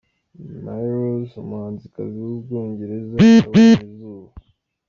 Mia Rose, umuhanzikazi w’umwongereza yabonye izuba.